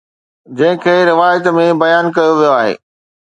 جنهن کي روايت ۾ بيان ڪيو ويو آهي